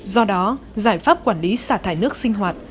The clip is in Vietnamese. do đó giải pháp quản lý xả thải nước sinh hoạt